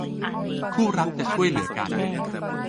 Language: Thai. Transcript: คู่รักจะช่วยเหลือกัน